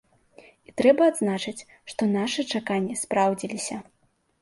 І трэба адзначыць, што нашы чаканні спраўдзіліся.